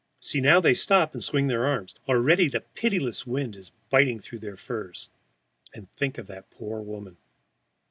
See, now they stop and swing their arms! Already the pitiless wind is biting through their furs. And think of that poor woman!